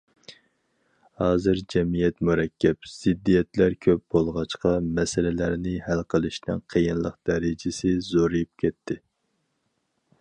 ھازىر جەمئىيەت مۇرەككەپ، زىددىيەتلەر كۆپ بولغاچقا، مەسىلىلەرنى ھەل قىلىشنىڭ قىيىنلىق دەرىجىسى زورىيىپ كەتتى.